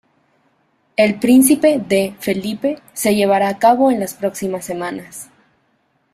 El Príncipe D. Felipe se llevará a cabo en las próximas semanas.